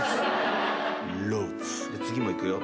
次もいくよ。